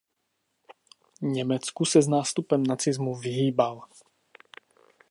Německu se s nástupem nacismu vyhýbal.